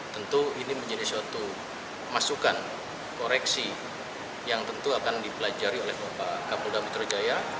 tentu ini menjadi suatu masukan koreksi yang tentu akan dipelajari oleh bapak kapolda metro jaya